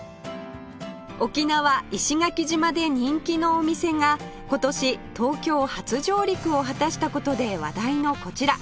沖縄石垣島で人気のお店が今年東京初上陸を果たした事で話題のこちら